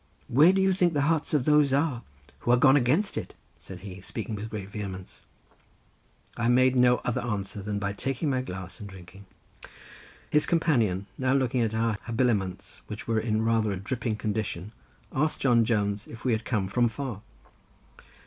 "Where do you think the hearts of those are who are gone against it?" said he—speaking with great vehemence. I made no other answer than by taking my glass and drinking. His companion now looking at our habiliments, which were in rather a dripping condition, asked John Jones if he had come from far.